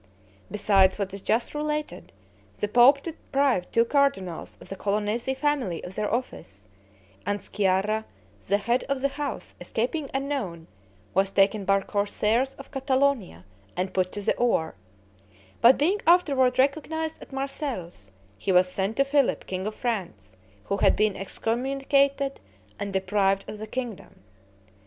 Besides what is just related, the pope deprived two cardinals of the Colonnesi family of their office; and Sciarra, the head of the house, escaping unknown, was taken by corsairs of Catalonia and put to the oar; but being afterward recognized at Marseilles, he was sent to Philip, king of France, who had been excommunicated and deprived of the kingdom.